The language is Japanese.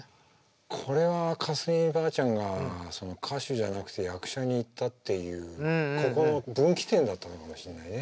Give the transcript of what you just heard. これは架純ばあちゃんが歌手じゃなくて役者にいったっていうここ分岐点だったのかもしれないね。